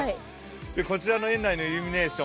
こちらの園内のイルミネーション